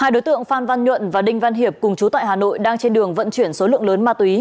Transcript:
hai đối tượng phan văn nhuận và đinh văn hiệp cùng chú tại hà nội đang trên đường vận chuyển số lượng lớn ma túy